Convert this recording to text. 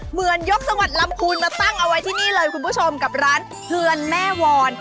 เหมือนยกจังหวัดลำพูนมาตั้งเอาไว้ที่นี่เลยคุณผู้ชมกับร้านเลือนแม่วร